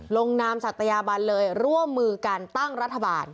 ลงนามสัตยาบันเลยร่วมมือการตั้งรัฐบาล